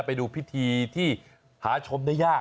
ไปดูพิธีที่หาชมได้ยาก